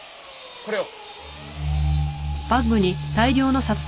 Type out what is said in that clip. これを。